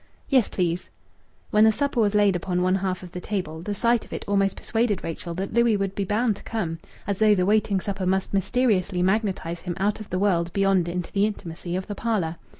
"Yes, please." When the supper was laid upon one half of the table, the sight of it almost persuaded Rachel that Louis would be bound to come as though the waiting supper must mysteriously magnetize him out of the world beyond into the intimacy of the parlour.